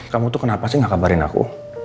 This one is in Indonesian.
kamu tuh kenapa sih gak kabarin aku